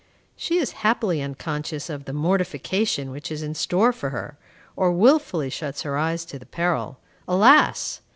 She is happily unconscious of the mortification which is in store for her, or wilfully shuts her eyes to the peril. Alas!